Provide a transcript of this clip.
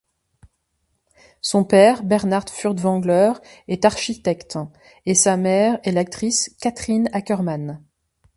Son père, Bernhard Furtwängler, est architecte et sa mère est l'actrice Kathrin Ackermann.